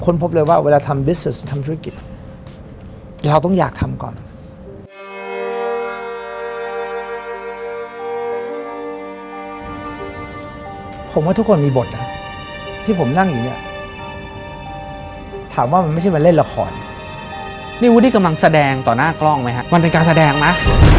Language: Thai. นี่วุดดี้กำลังแสดงต่อหน้ากล้องไหมฮะมันเป็นการแสดงมั้ย